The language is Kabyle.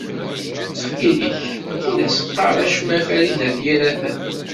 Ttxil-k, ur as-qqar acemma i Farid n At Yiraten.